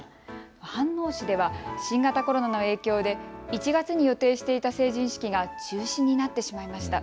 飯能市では新型コロナの影響で１月に予定していた成人式が中止になってしまいました。